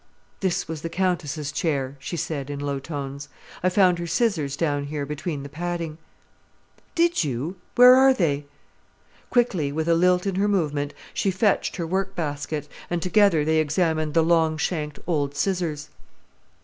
"This was the countess's chair," she said in low tones. "I found her scissors down here between the padding." "Did you? Where are they?" Quickly, with a lilt in her movement, she fetched her work basket, and together they examined the long shanked old scissors.